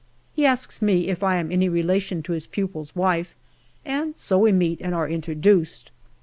He asks me if I am any relation to his pupil's wife, and so we meet and are introduced.